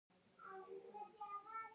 د لۍ د وینې لپاره د څه شي اوبه وکاروم؟